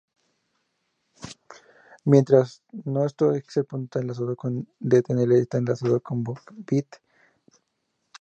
Mientras ntoskrnl.exe no está enlazado con ntdll.dll, está enlazado a bootvid.dll, hal.dll y kdcom.dll.